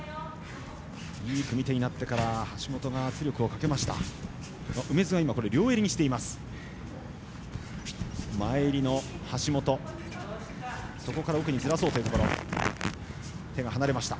いい組み手になってから橋本が圧力をかけました。